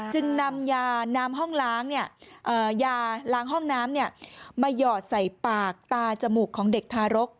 จึงนำยาล้างห้องน้ำเนี่ยมาหยอดใส่ปากตาจมูกของเด็กทารก